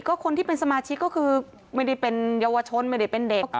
ก็คนที่เป็นสมาชิกก็คือไม่ได้เป็นเยาวชนไม่ได้เป็นเด็ก